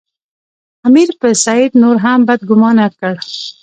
امیر پر سید نور هم بدګومانه کړ.